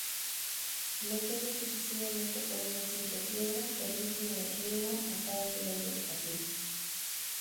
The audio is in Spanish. Bloqueados sucesivamente por una simple piedra, permiten el riego a cada nivel del jardín.